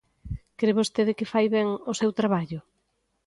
¿Cre vostede que fai ben o seu traballo?